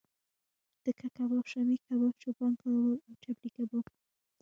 تیکه کباب، شامی کباب، چوپان کباب او چپلی کباب